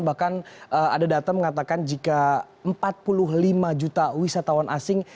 bahkan ada data mengatakan jika empat puluh lima juta wisatawan asing